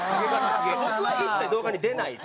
僕は一切動画に出ないと。